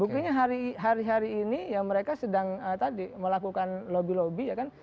buktinya hari hari ini ya mereka sedang tadi melakukan lobby lobby ya kan